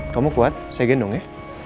kamu kuat saya gendong ya